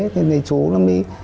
thì chú nó mới